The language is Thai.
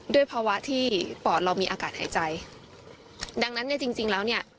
ด้วยภาวะที่ปอดเรามีอากาศหายใจดังนั้นเนี่ยจริงจริงแล้วเนี่ย